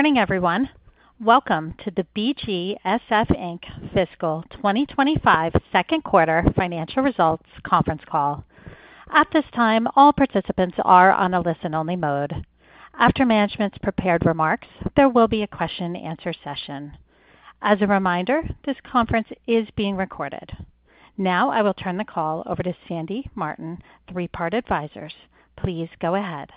Morning, everyone. Welcome to the BGSF Inc. Fiscal 2025 second quarter financial results conference call. At this time, all participants are on a listen-only mode. After management's prepared remarks, there will be a question-and-answer session. As a reminder, this conference is being recorded. Now, I will turn the call over to Sandy Martin, Three Part Advisors. Please go ahead.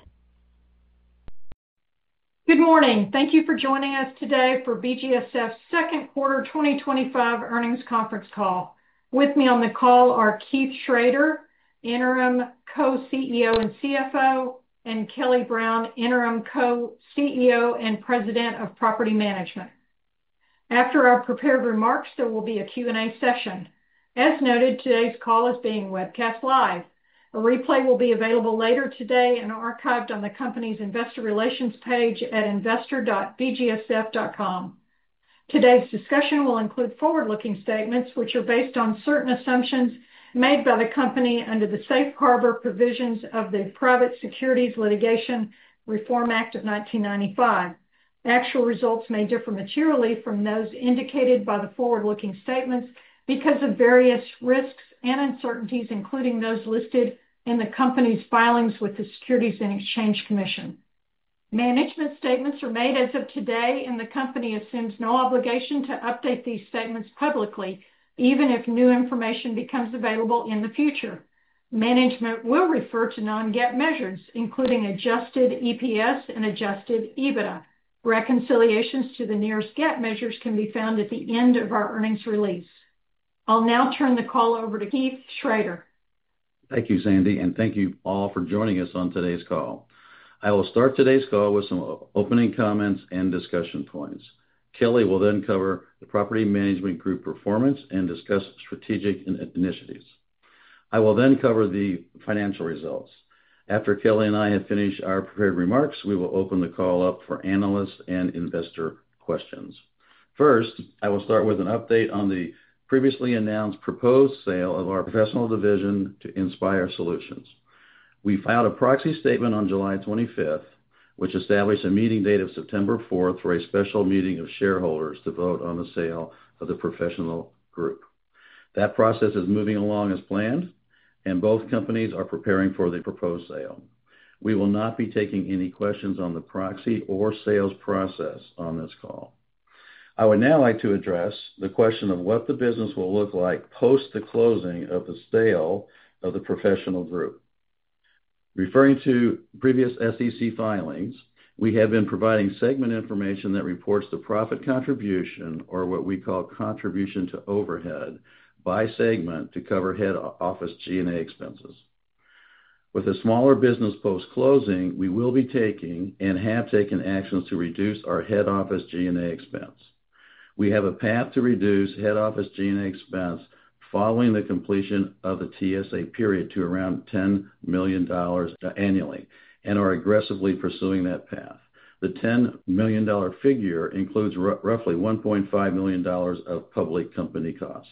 Good morning. Thank you for joining us today for BGSF's second quarter 2025 earnings conference call. With me on the call are Keith Schroeder, Interim Co-CEO and CFO, and Kelly Brown, Interim Co-CEO and President of Property Management. After our prepared remarks, there will be a Q&A session. As noted, today's call is being webcast live. A replay will be available later today and archived on the company's Investor Relations page at investor.bgsf.com. Today's discussion will include forward-looking statements, which are based on certain assumptions made by the company under the Safe Harbor provisions of the Private Securities Litigation Reform Act of 1995. Actual results may differ materially from those indicated by the forward-looking statements because of various risks and uncertainties, including those listed in the company's filings with the Securities and Exchange Commission. Management statements are made as of today, and the company assumes no obligation to update these statements publicly, even if new information becomes available in the future. Management will refer to non-GAAP measures, including adjusted EPS and adjusted EBITDA. Reconciliations to the nearest GAAP measures can be found at the end of our earnings release. I'll now turn the call over to Keith Schroeder. Thank you, Sandy, and thank you all for joining us on today's call. I will start today's call with some opening comments and discussion points. Kelly will then cover the Property Management Group performance and discuss strategic initiatives. I will then cover the financial results. After Kelly and I have finished our prepared remarks, we will open the call up for analysts and investor questions. First, I will start with an update on the previously announced proposed sale of our Professional Division to Inspire Solutions. We filed a proxy statement on July 25th, which established a meeting date of September 4th for a special meeting of shareholders to vote on the sale of the Professional Group. That process is moving along as planned, and both companies are preparing for the proposed sale. We will not be taking any questions on the proxy or sales process on this call. I would now like to address the question of what the business will look like post the closing of the sale of the Professional Group. Referring to previous SEC filings, we have been providing segment information that reports the profit contribution, or what we call contribution to overhead, by segment to cover head office G&A expenses. With a smaller business post-closing, we will be taking and have taken actions to reduce our head office G&A expense. We have a path to reduce head office G&A expense following the completion of the TSA period to around $10 million annually, and are aggressively pursuing that path. The $10 million figure includes roughly $1.5 million of public company costs.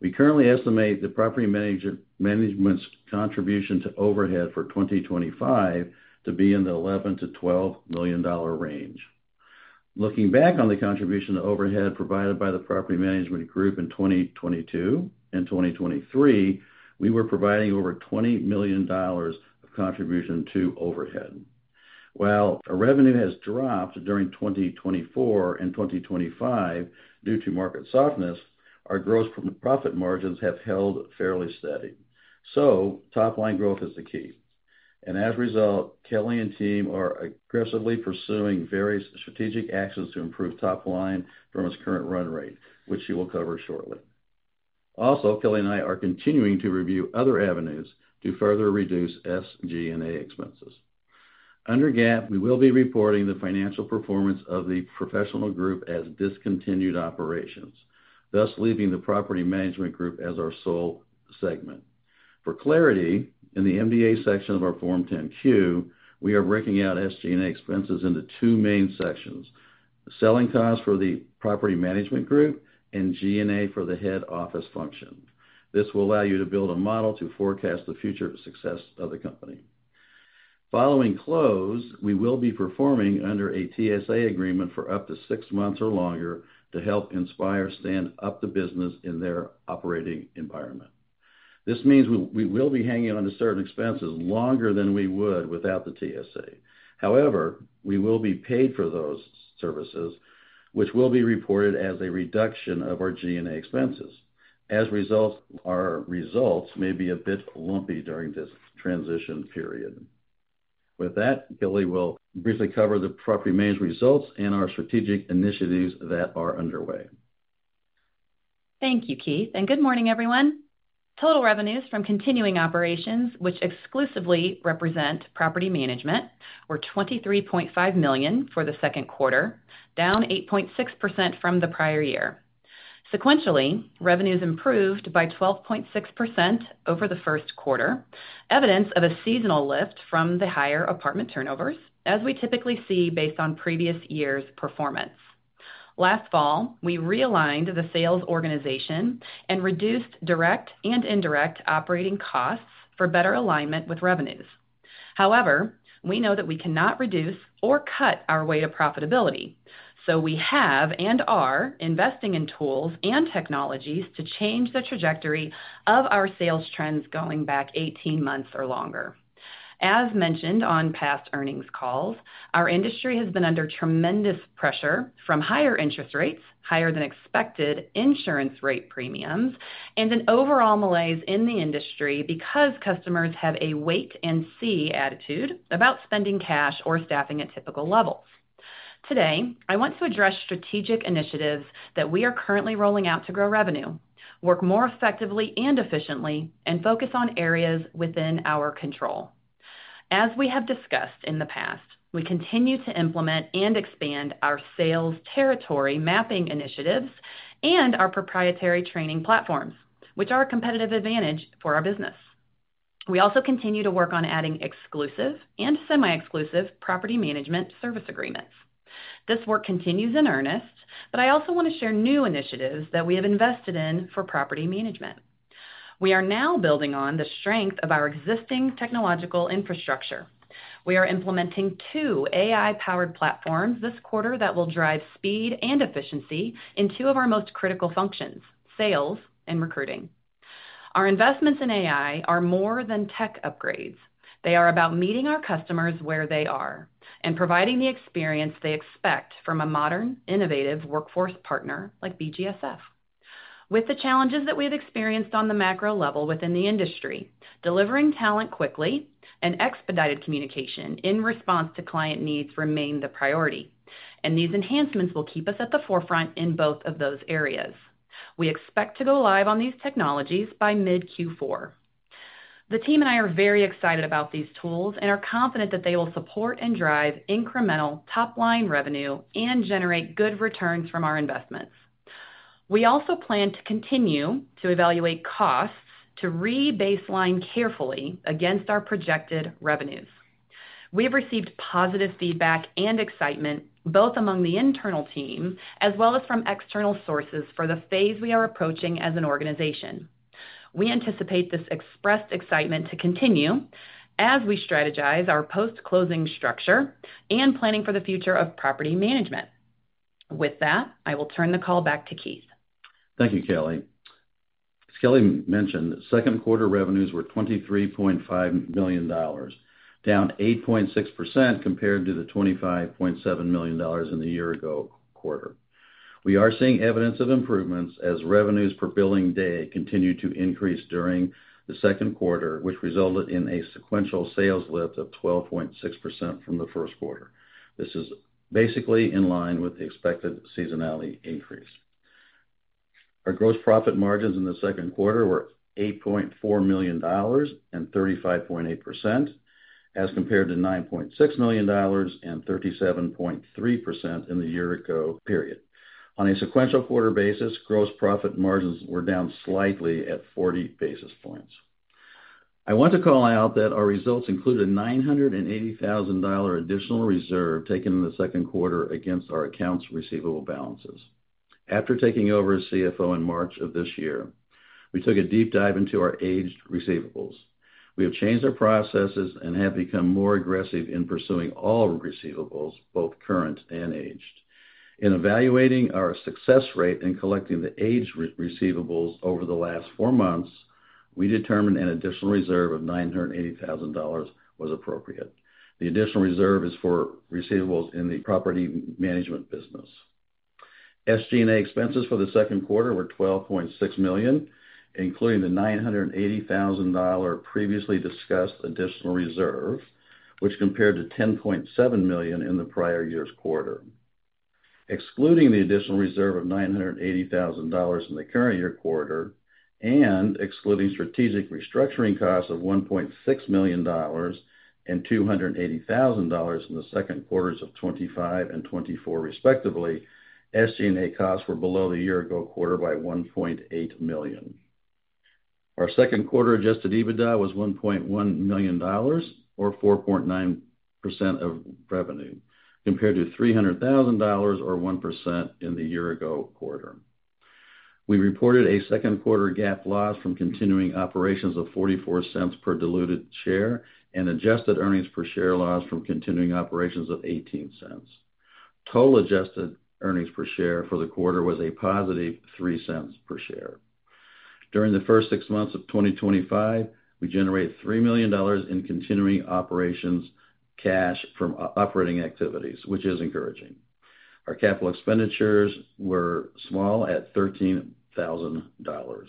We currently estimate the property management's contribution to overhead for 2025 to be in the $11 - $12 million range. Looking back on the contribution to overhead provided by the Property Management Group in 2022 and 2023, we were providing over $20 million of contribution to overhead. While our revenue has dropped during 2024 and 2025 due to market softness, our gross profit margins have held fairly steady. Top-line growth is the key. As a result, Kelly and team are aggressively pursuing various strategic actions to improve top-line from its current run rate, which she will cover shortly. Also, Kelly and I are continuing to review other avenues to further reduce SG&A expenses. Under GAAP, we will be reporting the financial performance of the Professional Group as discontinued operations, thus leaving the Property Management Group as our sole segment. For clarity, in the MDA section of our Form 10-Q, we are breaking out SG&A expenses into two main sections: selling costs for the Property Management Group and G&A for the head office function. This will allow you to build a model to forecast the future success of the company. Following close, we will be performing under a TSA agreement for up to six months or longer to help Inspire stand up the business in their operating environment. This means we will be hanging on to certain expenses longer than we would without the TSA. However, we will be paid for those services, which will be reported as a reduction of our G&A expenses. As a result, our results may be a bit lumpy during this transition period. With that, Kelly will briefly cover the property management results and our strategic initiatives that are underway. Thank you, Keith, and good morning, everyone. Total revenues from continuing operations, which exclusively represent property management, were $23.5 million for the second quarter, down 8.6% from the prior year. Sequentially, revenues improved by 12.6% over the first quarter, evidence of a seasonal lift from the higher apartment turnovers, as we typically see based on previous year's performance. Last fall, we realigned the sales organization and reduced direct and indirect operating costs for better alignment with revenues. However, we know that we cannot reduce or cut our way to profitability, so we have and are investing in tools and technologies to change the trajectory of our sales trends going back 18 months or longer. As mentioned on past earnings calls, our industry has been under tremendous pressure from higher interest rates, higher than expected insurance rate premiums, and an overall malaise in the industry because customers have a wait-and-see attitude about spending cash or staffing at typical levels. Today, I want to address strategic initiatives that we are currently rolling out to grow revenue, work more effectively and efficiently, and focus on areas within our control. As we have discussed in the past, we continue to implement and expand our sales territory mapping initiatives and our proprietary training platforms, which are a competitive advantage for our business. We also continue to work on adding exclusive and semi-exclusive property management service agreements. This work continues in earnest, but I also want to share new initiatives that we have invested in for property management. We are now building on the strength of our existing technological infrastructure. We are implementing two AI-powered platforms this quarter that will drive speed and efficiency in two of our most critical functions: sales and recruiting. Our investments in AI are more than tech upgrades. They are about meeting our customers where they are and providing the experience they expect from a modern, innovative workforce partner like BGSF. With the challenges that we have experienced on the macro level within the industry, delivering talent quickly and expedited communication in response to client needs remain the priority, and these enhancements will keep us at the forefront in both of those areas. We expect to go live on these technologies by mid-Q4. The team and I are very excited about these tools and are confident that they will support and drive incremental top-line revenue and generate good returns from our investments. We also plan to continue to evaluate costs to re-baseline carefully against our projected revenues. We have received positive feedback and excitement, both among the internal team as well as from external sources, for the phase we are approaching as an organization. We anticipate this expressed excitement to continue as we strategize our post-closing structure and planning for the future of property management. With that, I will turn the call back to Keith. Thank you, Kelly. As Kelly mentioned, the second quarter revenues were $23.5 million, down 8.6% compared to the $25.7 million in the year-ago quarter. We are seeing evidence of improvements as revenues per billing day continue to increase during the second quarter, which resulted in a sequential sales lift of 12.6% from the first quarter. This is basically in line with the expected seasonality increase. Our gross profit margins in the second quarter were $8.4 million and 35.8%, as compared to $9.6 million and 37.3% in the year-ago period. On a sequential quarter basis, gross profit margins were down slightly at 40 basis points. I want to call out that our results included a $980,000 additional reserve taken in the second quarter against our accounts receivable balances. After taking over as CFO in March of this year, we took a deep dive into our aged receivables. We have changed our processes and have become more aggressive in pursuing all receivables, both current and aged. In evaluating our success rate in collecting the aged receivables over the last four months, we determined an additional reserve of $980,000 was appropriate. The additional reserve is for receivables in the property management business. SG&A expenses for the second quarter were $12.6 million, including the $980,000 previously discussed additional reserve, which compared to $10.7 million in the prior year's quarter. Excluding the additional reserve of $980,000 in the current year quarter and excluding strategic restructuring costs of $1.6 million and $280,000 in the second quarters of 2025 and 2024, respectively, SG&A costs were below the year-ago quarter by $1.8 million. Our second quarter adjusted EBITDA was $1.1 million, or 4.9% of revenue, compared to $300,000 or 1% in the year-ago quarter. We reported a second quarter GAAP loss from continuing operations of $0.44 per diluted share and adjusted earnings per share loss from continuing operations of $0.18. Total adjusted earnings per share for the quarter was a positive $0.03 per share. During the first six months of 2025, we generated $3 million in continuing operations cash from operating activities, which is encouraging. Our capital expenditures were small at $13,000.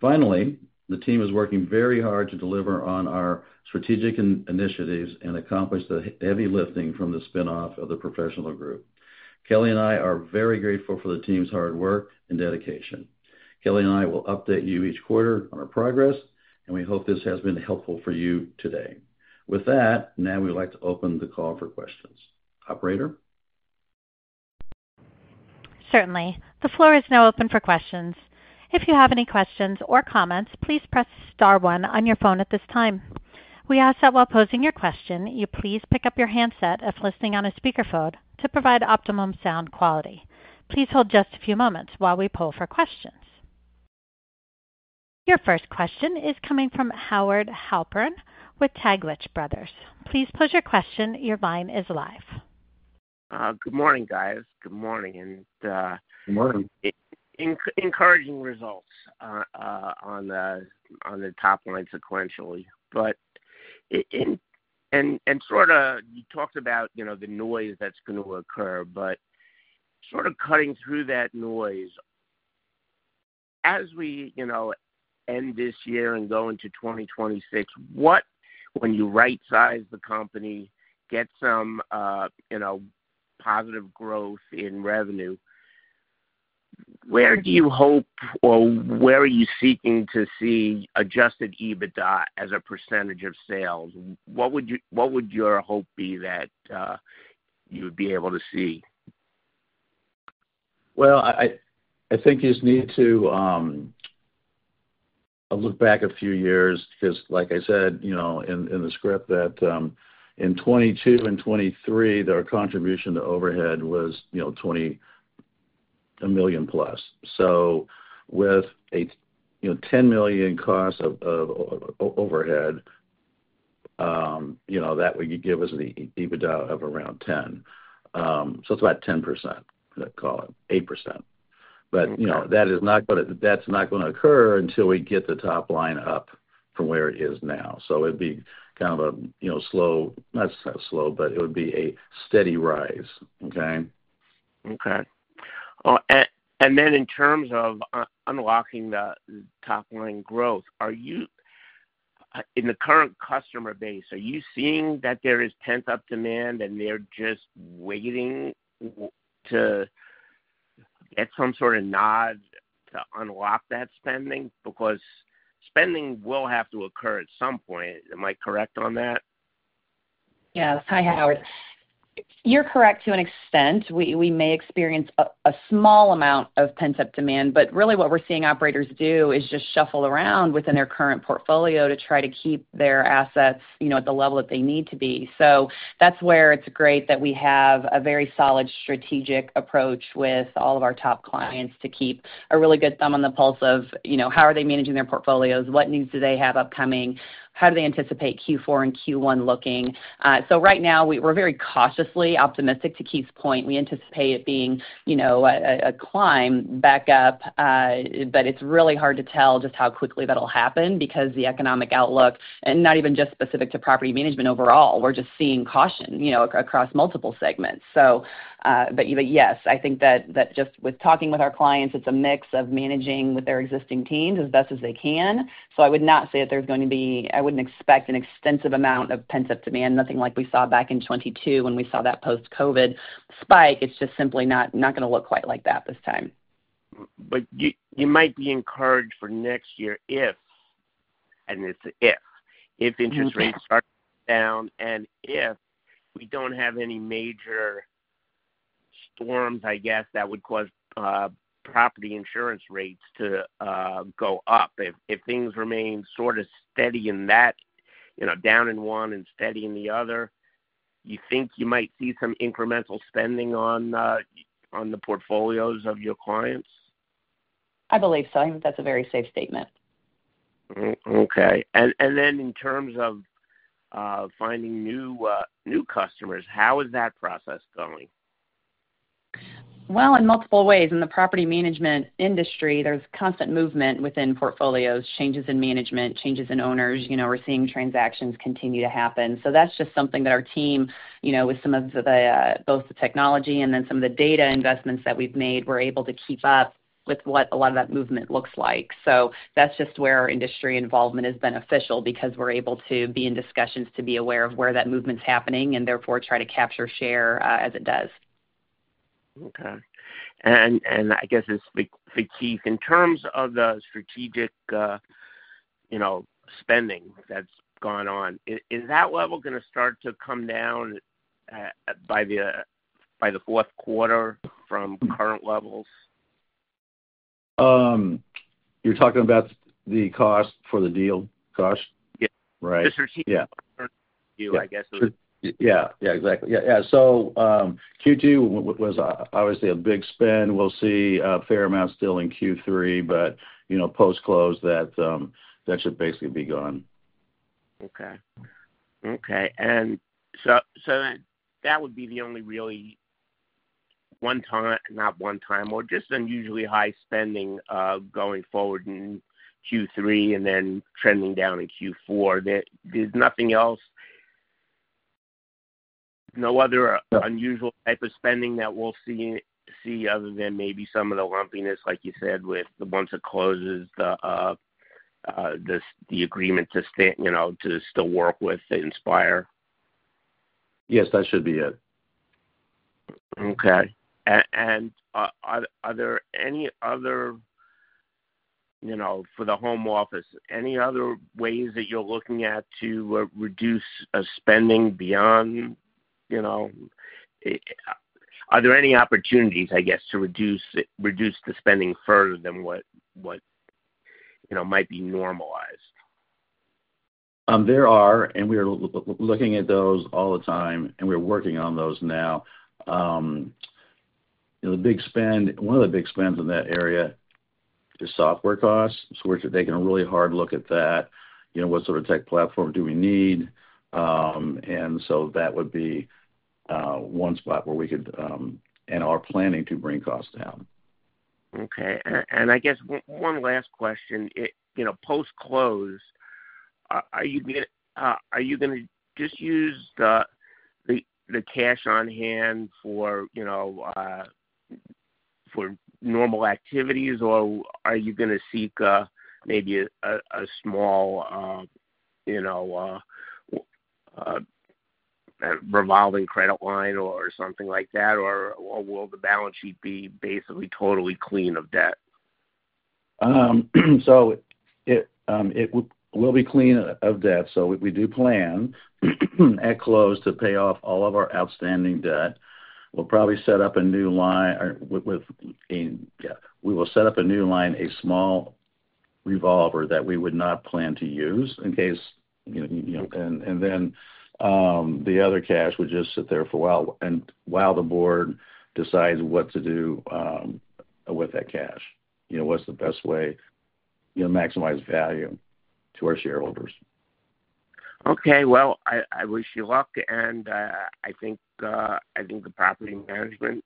Finally, the team is working very hard to deliver on our strategic initiatives and accomplish the heavy lifting from the spin-off of the Professional Group. Kelly and I are very grateful for the team's hard work and dedication. Kelly and I will update you each quarter on our progress, and we hope this has been helpful for you today. With that, now we would like to open the call for questions. Operator? Certainly. The floor is now open for questions. If you have any questions or comments, please press star one on your phone at this time. We ask that while posing your question, you please pick up your handset if listening on a speakerphone to provide optimum sound quality. Please hold just a few moments while we poll for questions. Your first question is coming from Howard Halpern with Taglich Brothers. Please pose your question. Your line is live. Good morning, guys. Good morning. Good morning. Encouraging results on the top line sequentially. You talked about the noise that's going to occur, but cutting through that noise, as we end this year and go into 2026, when you right-size the company and get some positive growth in revenue, where do you hope or where are you seeking to see adjusted EBITDA as a percentage of sales? What would your hope be that you would be able to see? I think you just need to look back a few years because, like I said, you know, in the script that in 2022 and 2023, our contribution to overhead was, you know, $20 million plus. With a, you know, $10 million cost of overhead, you know, that would give us an EBITDA of around $10 million. It's about 10%, let's call it 8%. That is not going to occur until we get the top line up from where it is now. It would be kind of a, you know, slow, not slow, but it would be a steady rise. Okay? Okay. In terms of unlocking the top line growth, are you in the current customer base, are you seeing that there is pent-up demand and they're just waiting to get some sort of nod to unlock that spending? Because spending will have to occur at some point. Am I correct on that? Yes. Hi, Howard. You're correct to an extent. We may experience a small amount of pent-up demand, but really what we're seeing operators do is just shuffle around within their current portfolio to try to keep their assets at the level that they need to be. That's where it's great that we have a very solid strategic approach with all of our top clients to keep a really good thumb on the pulse of how are they managing their portfolios, what needs do they have upcoming, and how do they anticipate Q4 and Q1 looking. Right now, we're very cautiously optimistic, to Keith's point. We anticipate it being a climb back up, but it's really hard to tell just how quickly that'll happen because the economic outlook, and not even just specific to property management overall, we're just seeing caution across multiple segments. Yes, I think that just with talking with our clients, it's a mix of managing with their existing teams as best as they can. I would not say that there's going to be, I wouldn't expect an extensive amount of pent-up demand, nothing like we saw back in 2022 when we saw that post-COVID spike. It's just simply not going to look quite like that this time. You might be encouraged for next year if, and it's if, Okay if interest rates are down and if we don't have any major storms, I guess, that would cause property insurance rates to go up. If things remain sort of steady in that, you know, down in one and steady in the other, you think you might see some incremental spending on the portfolios of your clients? I believe so. I think that's a very safe statement. Okay, in terms of finding new customers, how is that process going? In multiple ways. In the property management industry, there's constant movement within portfolios, changes in management, changes in owners. We're seeing transactions continue to happen. That's just something that our team, with both the technology and some of the data investments that we've made, we're able to keep up with what a lot of that movement looks like. That's where our industry involvement is beneficial because we're able to be in discussions to be aware of where that movement's happening and therefore try to capture share as it does. Okay. I guess this is for Keith. In terms of the strategic spending that's gone on, is that level going to start to come down by the fourth quarter from current levels? You're talking about the cost for the deal cost? Yep. Right. The strategic deal, I guess. Yeah, exactly. Q2 was obviously a big spend. We'll see a fair amount still in Q3, but post-close, that should basically be gone. Okay. So that would be the only really one time, not one time, or just unusually high spending going forward in Q3 and then trending down in Q4? There's nothing else, no other unusual type of spending that we'll see other than maybe some of the lumpiness, like you said, with the ones that closes the agreement to stay, you know, to still work with Inspire? Yes, that should be it. Are there any other, you know, for the home office, any other ways that you're looking at to reduce spending beyond, you know, are there any opportunities to reduce the spending further than what might be normalized? There are, and we are looking at those all the time, and we're working on those now. The big spend, one of the big spends in that area is software costs. We're taking a really hard look at that. What sort of tech platform do we need? That would be one spot where we could, and are planning to bring costs down. Okay. I guess one last question. Post-close, are you going to just use the cash on hand for normal activities, or are you going to seek maybe a small revolving credit line or something like that, or will the balance sheet be basically totally clean of debt? It will be clean of debt. If we do plan at close to pay off all of our outstanding debt, we'll probably set up a new line with, I mean, yeah, we will set up a new line, a small revolver that we would not plan to use in case, you know, and then the other cash would just sit there for a while while the board decides what to do with that cash, you know, what's the best way, you know, maximize value to our shareholders? I wish you luck, and I think the property management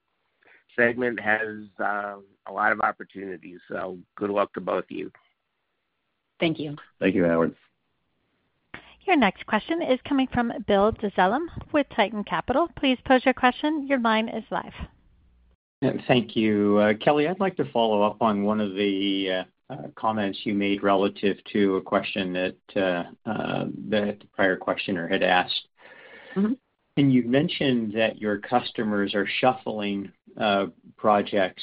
segment has a lot of opportunities. Good luck to both of you. Thank you. Thank you. Howard Your next question is coming from Bill Dezellem with Tieton Capital. Please pose your question. Your line is live. Thank you. Kelly, I'd like to follow up on one of the comments you made relative to a question that the prior questioner had asked. You mentioned that your customers are shuffling projects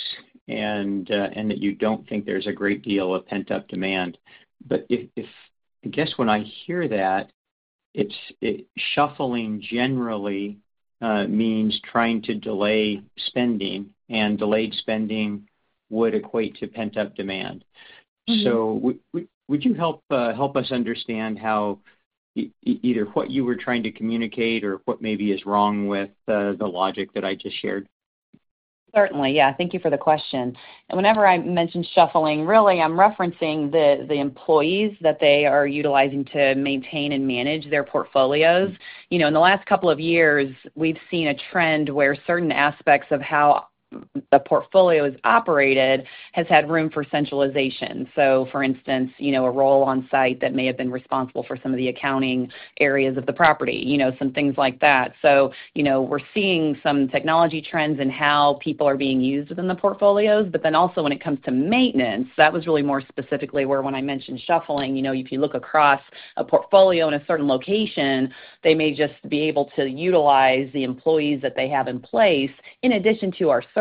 and that you don't think there's a great deal of pent-up demand. When I hear that, shuffling generally means trying to delay spending, and delayed spending would equate to pent-up demand. Would you help us understand how either what you were trying to communicate or what maybe is wrong with the logic that I just shared? Certainly. Thank you for the question. Whenever I mention shuffling, really, I'm referencing the employees that they are utilizing to maintain and manage their portfolios. In the last couple of years, we've seen a trend where certain aspects of how the portfolio is operated have had room for centralization. For instance, a role on site that may have been responsible for some of the accounting areas of the property, some things like that. We're seeing some technology trends in how people are being used within the portfolios. When it comes to maintenance, that was really more specifically where when I mentioned shuffling, if you look across a portfolio in a certain location, they may just be able to utilize the employees that they have in place in addition to our services.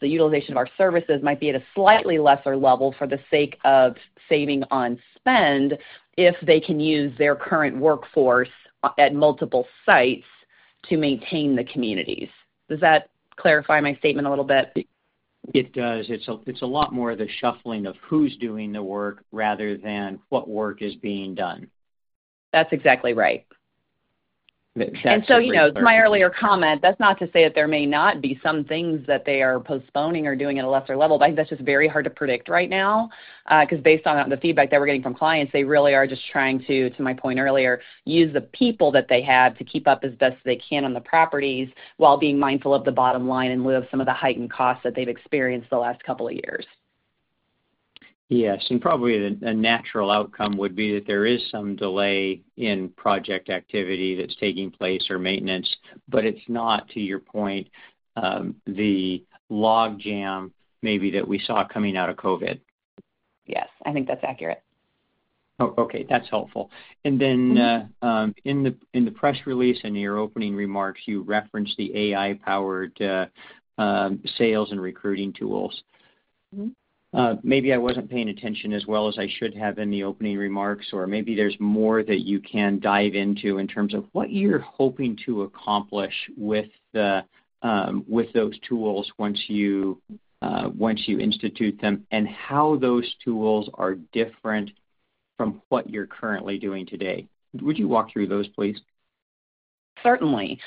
The utilization of our services might be at a slightly lesser level for the sake of saving on spend if they can use their current workforce at multiple sites to maintain the communities. Does that clarify my statement a little bit? It does. It's a lot more of the shuffling of who's doing the work rather than what work is being done. That's exactly right. To my earlier comment, that's not to say that there may not be some things that they are postponing or doing at a lesser level. I think that's just very hard to predict right now because, based on the feedback that we're getting from clients, they really are just trying to, to my point earlier, use the people that they have to keep up as best they can on the properties while being mindful of the bottom line in lieu of some of the heightened costs that they've experienced the last couple of years. Yes, probably a natural outcome would be that there is some delay in project activity that's taking place or maintenance, but it's not, to your point, the logjam maybe that we saw coming out of COVID. Yes, I think that's accurate. Oh, okay. That's helpful. In the press release and your opening remarks, you referenced the AI-powered sales and recruiting platforms. Maybe I wasn't paying attention as well as I should have in the opening remarks, or maybe there's more that you can dive into in terms of what you're hoping to accomplish with those platforms once you institute them and how those platforms are different from what you're currently doing today. Would you walk through those, please? Certainly.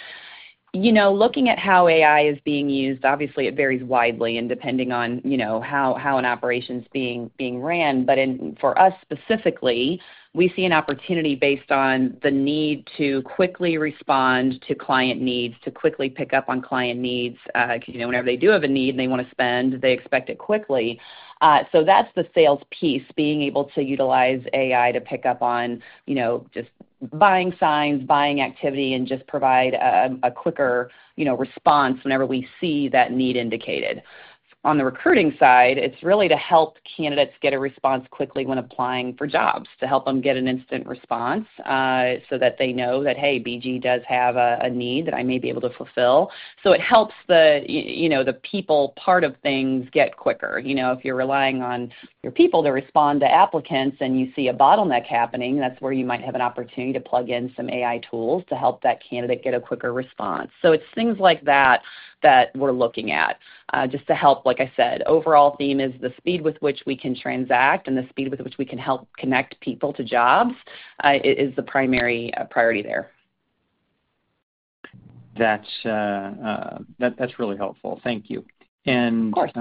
Looking at how AI is being used, obviously, it varies widely depending on how an operation is being run. For us specifically, we see an opportunity based on the need to quickly respond to client needs, to quickly pick up on client needs. Whenever they do have a need and they want to spend, they expect it quickly. That's the sales piece, being able to utilize AI to pick up on buying signs, buying activity, and just provide a quicker response whenever we see that need indicated. On the recruiting side, it's really to help candidates get a response quickly when applying for jobs, to help them get an instant response so that they know that, "Hey, BG does have a need that I may be able to fulfill." It helps the people part of things get quicker. If you're relying on your people to respond to applicants and you see a bottleneck happening, that's where you might have an opportunity to plug in some AI tools to help that candidate get a quicker response. It's things like that that we're looking at just to help, like I said, the overall theme is the speed with which we can transact and the speed with which we can help connect people to jobs is the primary priority there. That's really helpful. Thank you. Of course.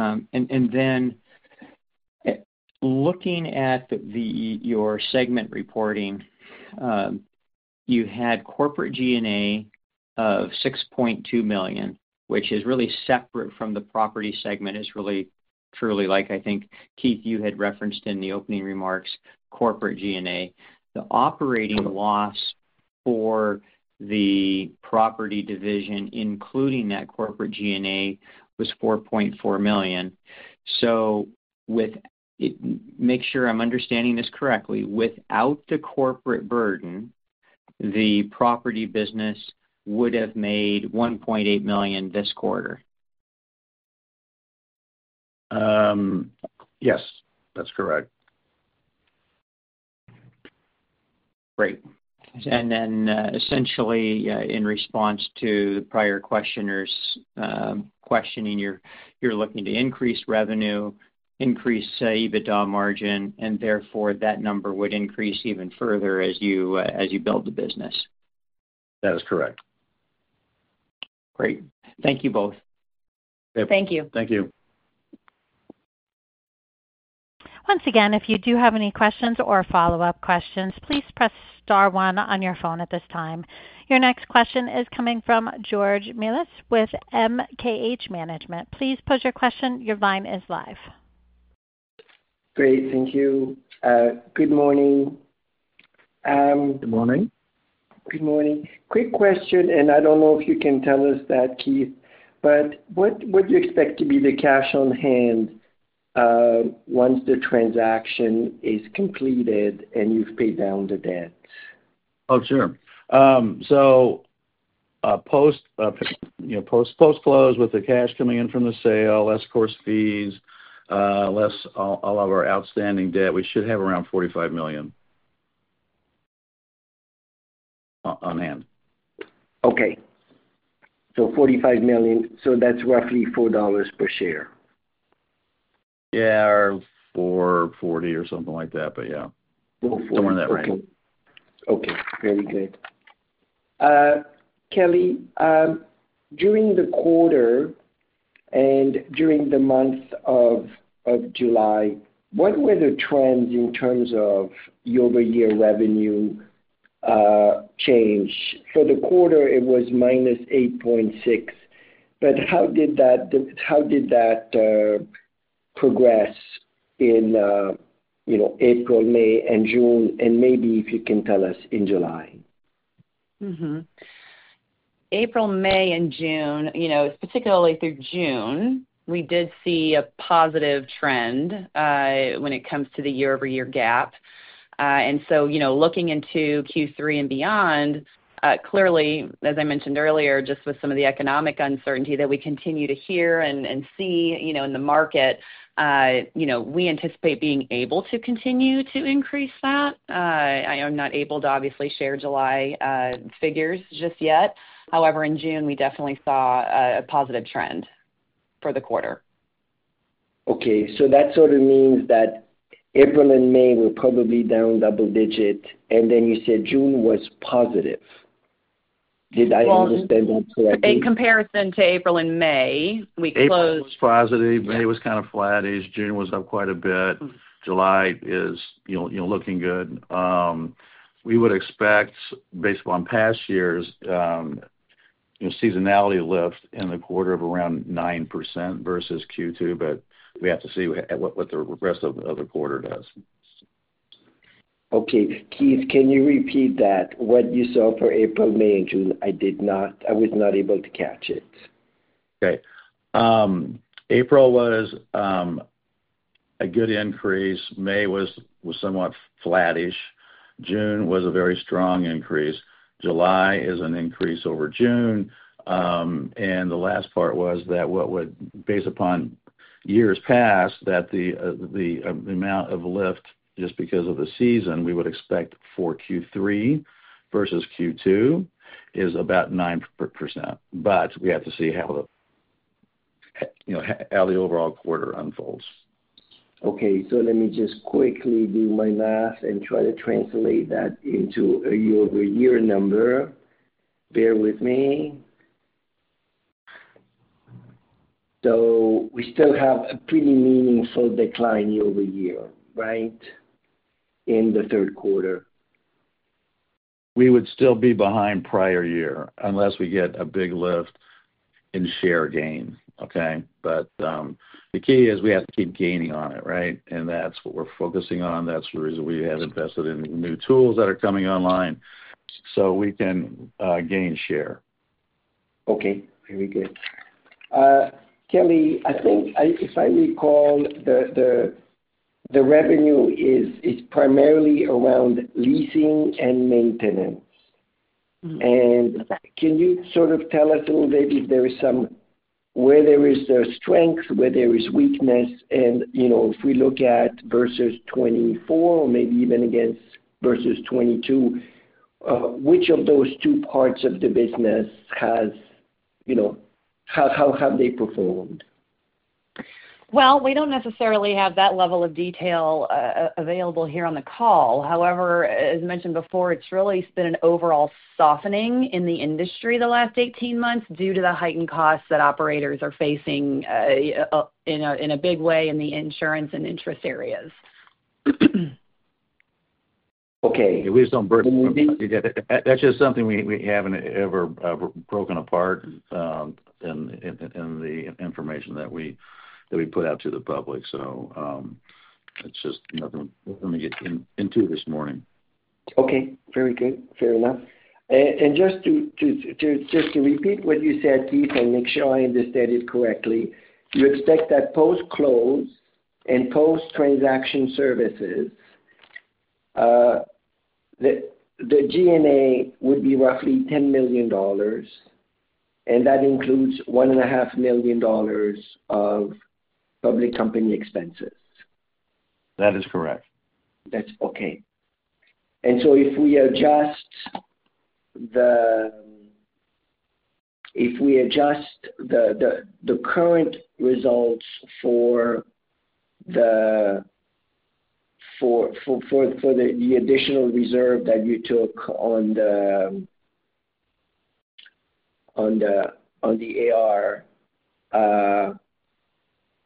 Looking at your segment reporting, you had corporate G&A of $6.2 million, which is really separate from the property segment. It's really, truly like, I think, Keith, you had referenced in the opening remarks, corporate G&A. The operating loss for the property division, including that corporate G&A, was $4.4 million. With it, make sure I'm understanding this correctly. Without the corporate burden, the property business would have made $1.8 million this quarter. Yes, that's correct. Great. Essentially, in response to the prior questioner's questioning you, you're looking to increase revenue, increase EBITDA margin, and therefore that number would increase even further as you build the business. That is correct. Great. Thank you both. Thank you. Thank you. Once again, if you do have any questions or follow-up questions, please press star one on your phone at this time. Your next question is coming from George Millis with MKH Management. Please pose your question. Your line is live. Great, thank you. Good morning. Good morning. Good morning. Quick question, and I don't know if you can tell us that, Keith, but what do you expect to be the cash on hand once the transaction is completed and you've paid down the debts? Sure. Post-close with the cash coming in from the sale, less course fees, less all of our outstanding debt, we should have around $45 million on hand. Okay, $45 million. That's roughly $4 per share? Yeah, $4.40 or something like that, but yeah. $4.40. Okay. Very good. Kelly, during the quarter and during the month of July, what were the trends in terms of year-over-year revenue change? For the quarter, it was minus 8.6%. How did that progress in April, May, and June? Maybe if you can tell us in July. April, May, and June, particularly through June, we did see a positive trend when it comes to the year-over-year gap. Looking into Q3 and beyond, clearly, as I mentioned earlier, just with some of the economic uncertainty that we continue to hear and see in the market, we anticipate being able to continue to increase that. I am not able to obviously share July figures just yet. However, in June, we definitely saw a positive trend for the quarter. Okay. That sort of means that April and May were probably down double-digit, and then you said June was positive. Did I understand that correctly? In comparison to April and May, we closed. April was positive. May was kind of flattish. June was up quite a bit. July is, you know, looking good. We would expect, based upon past years, seasonality lift in the quarter of around 9% versus Q2, but we have to see what the rest of the quarter does. Okay. Keith, can you repeat that? What you saw for April, May, and June? I did not, I was not able to catch it. April was a good increase. May was somewhat flattish. June was a very strong increase. July is an increase over June. The last part was that, based upon years past, the amount of lift just because of the season we would expect for Q3 versus Q2 is about 9%. We have to see how the overall quarter unfolds. Let me just quickly do my math and try to translate that into a year-over-year number. Bear with me. We still have a pretty meaningful decline year-over-year, right, in the third quarter. We would still be behind prior year unless we get a big lift in share gain. The key is we have to keep gaining on it, right? That's what we're focusing on. That's the reason we have invested in new tools that are coming online so we can gain share. Okay. Very good. Kelly, I think if I recall, the revenue is primarily around leasing and maintenance. Can you sort of tell us a little bit if there is somewhere there is a strength, where there is weakness? If we look at versus 2024 or maybe even against versus 2022, which of those two parts of the business has, you know, how have they performed? We don't necessarily have that level of detail available here on the call. However, as mentioned before, it's really been an overall softening in the industry the last 18 months due to the heightened costs that operators are facing in a big way in the insurance and interest areas. Okay. At least on versus 2022, that's just something we haven't ever broken apart in the information that we put out to the public. That's just nothing we get into this morning. Okay. Very good. Fair enough. Just to repeat what you said, Keith, and make sure I understand it correctly, you expect that post-close and post-transaction services, the G&A would be roughly $10 million, and that includes $1.5 million of public company expenses. That is correct. That's okay. If we adjust the current results for the additional reserve that you took on the AR,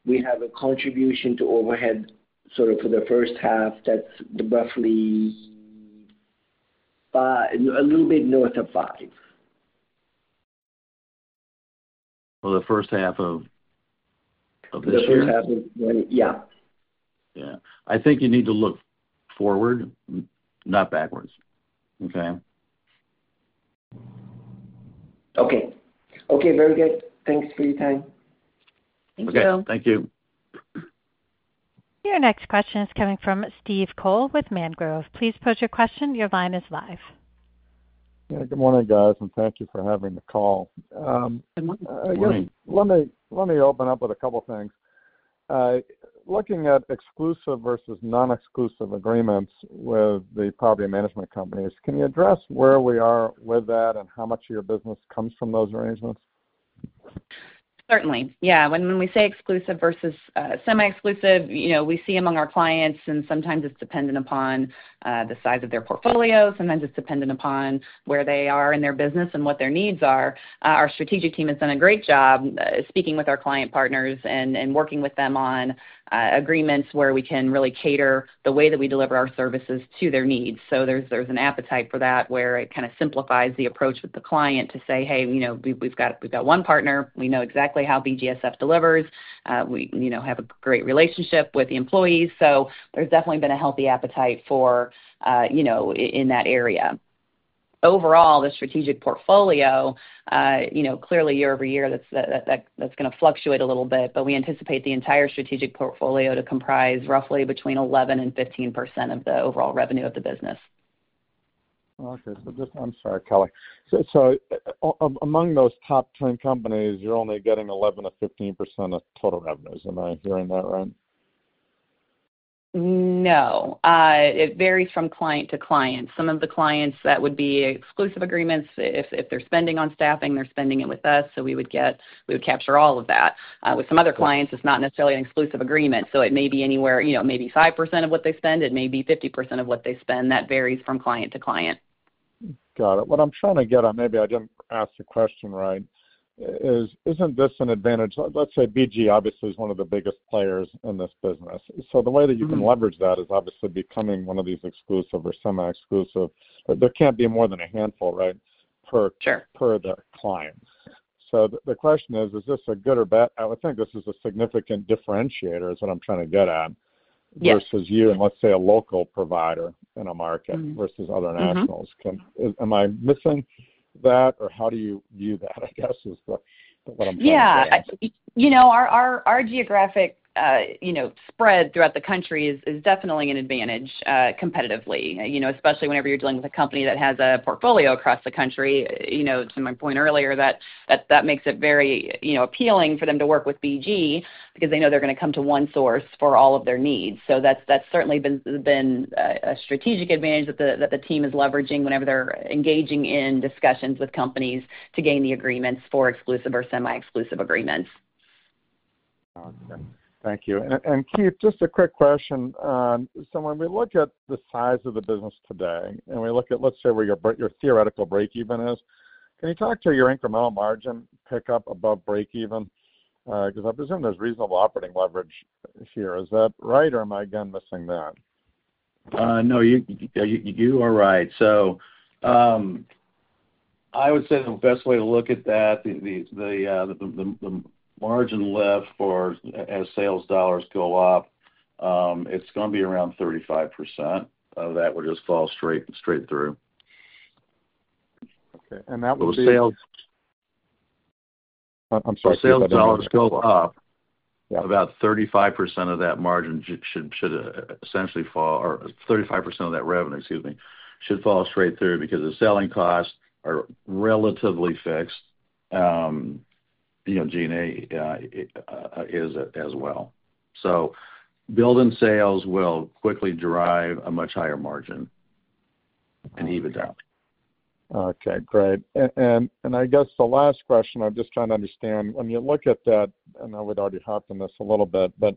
we have a contribution to overhead for the first half that's roughly a little bit north of [$5 million]. For the first half of this year? The first half of the year. Yeah I think you need to look forward, not backwards. Okay? Okay. Very good. Thanks for your time. Thank you. Okay, thank you. Your next question is coming from Steve Cole with Mangrove. Please pose your question. Your line is live. Yeah, good morning, guys, and thank you for having the call. Good morning. Good morning Let me open up with a couple of things. Looking at exclusive versus non-exclusive agreements with the property management companies, can you address where we are with that and how much of your business comes from those arrangements? Certainly. When we say exclusive versus semi-exclusive, we see among our clients, and sometimes it's dependent upon the size of their portfolio. Sometimes it's dependent upon where they are in their business and what their needs are. Our strategic team has done a great job speaking with our client partners and working with them on agreements where we can really cater the way that we deliver our services to their needs. There's an appetite for that where it kind of simplifies the approach with the client to say, "Hey, you know, we've got one partner. We know exactly how BGSF delivers. We, you know, have a great relationship with the employees." There's definitely been a healthy appetite for, you know, in that area. Overall, the strategic portfolio, clearly, year-over-year, that's going to fluctuate a little bit, but we anticipate the entire strategic portfolio to comprise roughly between 11% and 15% of the overall revenue of the business. Okay, I'm sorry, Kelly. Among those top 10 companies, you're only getting 11% to 15% of total revenues. Am I hearing that right? No, it varies from client to client. Some of the clients that would be exclusive agreements, if they're spending on staffing, they're spending it with us, so we would get, we would capture all of that. With some other clients, it's not necessarily an exclusive agreement. It may be anywhere, you know, maybe 5% of what they spend. It may be 50% of what they spend. That varies from client to client. Got it. What I'm trying to get at, maybe I didn't ask the question right, is isn't this an advantage? Let's say BGSF obviously is one of the biggest players in this business. The way that you can leverage that is obviously becoming one of these exclusive or semi-exclusive, but there can't be more than a handful, right, per the client. The question is, is this good or bad? I would think this is a significant differentiator, is what I'm trying to get at, versus you and let's say a local provider in a market versus other nationals. Am I missing that, or how do you view that, I guess, is what I'm trying to get at? Our geographic spread throughout the country is definitely an advantage competitively, especially whenever you're dealing with a company that has a portfolio across the country. To my point earlier, that makes it very appealing for them to work with BGSF Inc. because they know they're going to come to one source for all of their needs. That's certainly been a strategic advantage that the team is leveraging whenever they're engaging in discussions with companies to gain the agreements for exclusive or semi-exclusive property management agreements. Thank you. Keith, just a quick question. When we look at the size of the business today, and we look at, let's say, where your theoretical breakeven is, can you talk to your incremental margin pickup above breakeven? I presume there's reasonable operating leverage here. Is that right, or am I again missing that? No, you are right. I would say the best way to look at that, the margin lift for as sales dollars go up, it's going to be around 35% of that would just fall straight through. Okay. That would be. I'm sorry. Sales dollars go up, yeah, about 35% of that margin should essentially fall, or 35% of that revenue, excuse me, should fall straight through because the selling costs are relatively fixed. G&A is as well. Building sales will quickly drive a much higher margin and EBITDA. Okay. Great. I guess the last question, I'm just trying to understand, when you look at that, and I would already hop in this a little bit, but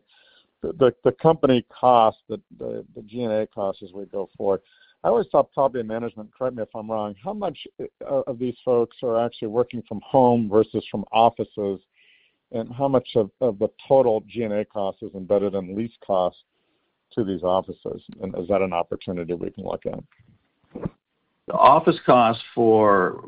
the company cost, the G&A cost as we go forward, I always thought property management, correct me if I'm wrong, how much of these folks are actually working from home versus from offices, and how much of the total G&A cost is embedded in lease costs to these offices? Is that an opportunity we can look at? The office cost for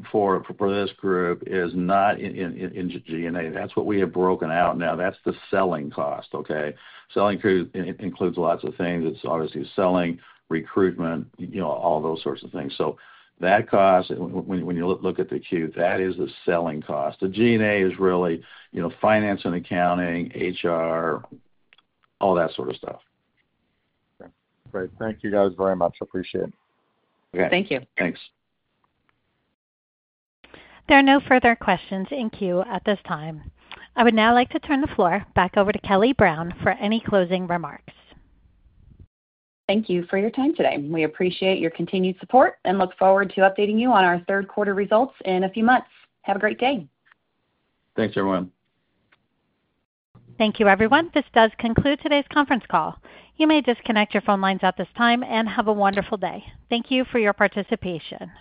this group is not in G&A. That's what we have broken out now. That's the selling cost, okay? Selling includes lots of things. It's obviously selling, recruitment, you know, all those sorts of things. That cost, when you look at the Q, is the selling cost. The G&A is really, you know, finance and accounting, HR, all that sort of stuff. Okay. Great. Thank you guys very much. I appreciate it. Thank you. Thanks. There are no further questions in queue at this time. I would now like to turn the floor back over to Kelly Brown for any closing remarks. Thank you for your time today. We appreciate your continued support and look forward to updating you on our third quarter results in a few months. Have a great day. Thanks, everyone. Thank you, everyone. This does conclude today's conference call. You may disconnect your phone lines at this time and have a wonderful day. Thank you for your participation.